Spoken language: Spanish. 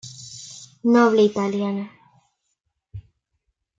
Noble italiana.